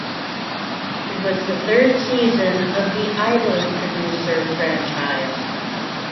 It was the third season of the "Idol Producer" franchise.